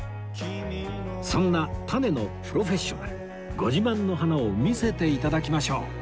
そんなタネのプロフェッショナルご自慢の花を見せていただきましょう